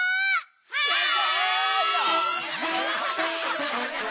はい！